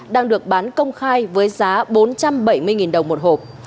đang được bán công khai với giá bốn trăm bảy mươi đồng một hộp